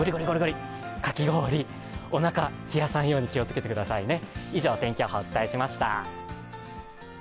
かき氷、おなか、冷やさないように気をつけてくださいね。